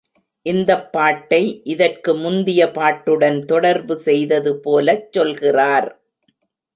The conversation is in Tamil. இந்தப் பாட்டை இதற்கு முந்திய பாட்டுடன் தொடர்பு செய்தது போலச் சொல்கிறார்.